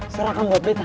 serahkan buat beta